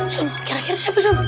sun kira kira siapa sun